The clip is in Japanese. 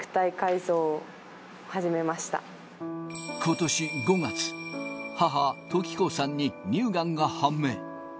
今年５月、母・都貴子さんに乳がんが判明。